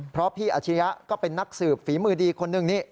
เพราะพี่อาชิริยะก็เป็นนักสืบฝีมือดีคนหนึ่งนี่